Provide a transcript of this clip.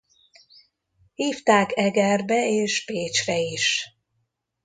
Hívták Egerbe és Pécsre is.